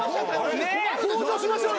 向上しましょうよ。